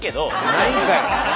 ないんかい！